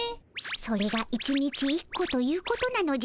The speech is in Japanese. それが１日１個ということなのじゃ。